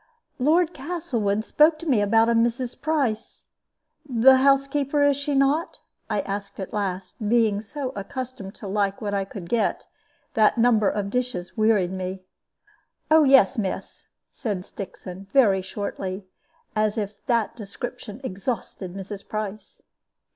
"Lord Castlewood spoke to me about a Mrs. Price the housekeeper, is she not?" I asked at last, being so accustomed to like what I could get, that the number of dishes wearied me. "Oh yes, miss," said Stixon, very shortly, as if that description exhausted Mrs. Price.